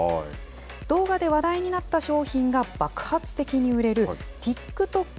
動画で話題になった商品が爆発的に売れるＴｉｋＴｏｋ